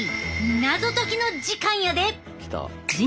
謎解きの時間やで！